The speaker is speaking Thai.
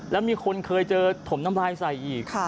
แล้วมีคนเคยเจอถมน้ำลายใส่อีก